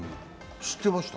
知ってました？